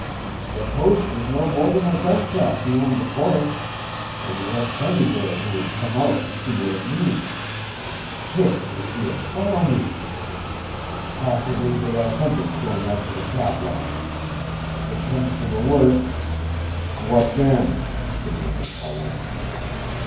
"The post is no more than a gunshot beyond the forest, and there are plenty there who would come out to see what it means. Quick, M'seur follow me. Possibly they are hunters going out to the trap lines. If it comes to the worst " "What then?" demanded Howland.